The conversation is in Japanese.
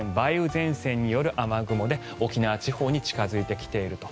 前線による雨雲で沖縄地方に近付いてきていると。